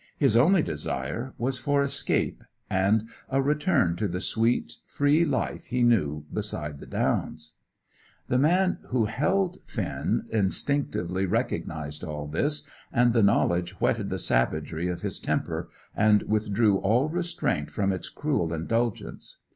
His only desire was for escape, and a return to the sweet, free life he knew beside the Downs. The man who held Finn instinctively recognised all this, and the knowledge whetted the savagery of his temper, and withdrew all restraint from its cruel indulgence.